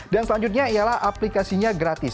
dan selanjutnya ialah aplikasinya gratis